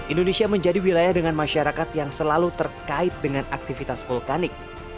indonesia menjadi wilayah dengan masyarakat yang selalu terkait dengan aktivitas vulkanik